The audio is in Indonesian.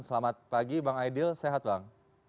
selamat pagi bang aidil sehat bang